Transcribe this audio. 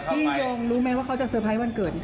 ยงรู้ไหมว่าเขาจะเซอร์ไพรส์วันเกิด